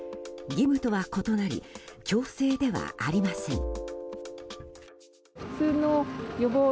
義務とは異なり強制ではありません。